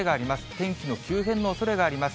天気の急変のおそれがあります。